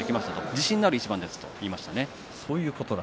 自信になる一番ですと言いました。